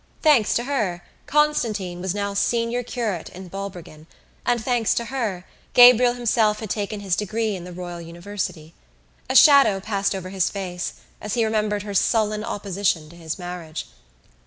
Thanks to her, Constantine was now senior curate in Balbrigan and, thanks to her, Gabriel himself had taken his degree in the Royal University. A shadow passed over his face as he remembered her sullen opposition to his marriage.